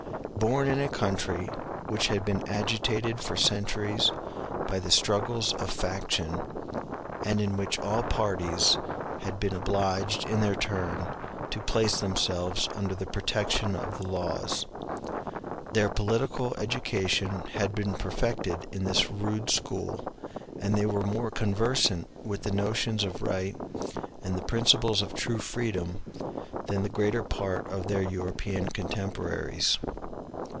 Born in a country which had been agitated for centuries by the struggles of faction, and in which all parties had been obliged in their turn to place themselves under the protection of the laws, their political education had been perfected in this rude school, and they were more conversant with the notions of right and the principles of true freedom than the greater part of their European contemporaries.